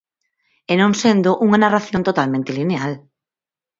E non sendo unha narración totalmente lineal.